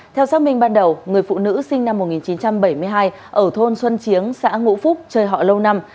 theo xác minh ban đầu người phụ nữ sinh năm một nghìn chín trăm bảy mươi hai ở thôn xuân chiến xã ngũ phúc chơi họ lâu năm